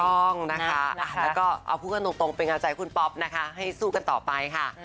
ต้องนะคะแล้วก็เอาพูดกันตรงเป็นกำลังใจคุณป๊อปนะคะให้สู้กันต่อไปค่ะ